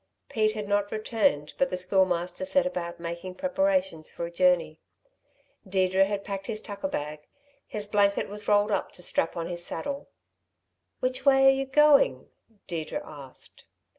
Pete had not returned, but the Schoolmaster set about making preparations for a journey. Deirdre had packed his tucker bag; his blanket was rolled up to strap on his saddle. "Which way are you going?" Deirdre asked.